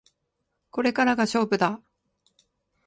これからが勝負だ